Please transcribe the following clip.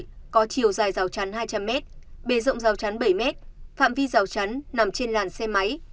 có chiều dài rào chắn hai trăm linh mét bề rộng rào chắn bảy mét phạm vi rào chắn nằm trên làn xe máy